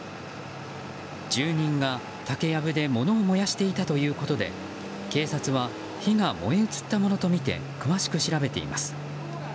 住人が竹やぶで物を燃やしていたということで警察は火が燃え移ったものとみて詳しく調べています。